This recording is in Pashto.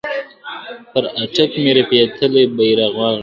پر اټک مي رپېدلی بیرغ غواړم .